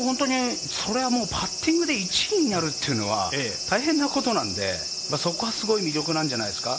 そりゃもうパッティングで１位になるのは大変なことなんで、そこはすごい魅力なんじゃないですか？